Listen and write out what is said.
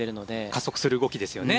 加速する動きですよね。